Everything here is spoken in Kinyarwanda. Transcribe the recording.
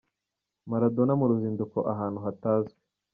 Maradona mu ruzinduko ahantu hatazwi !.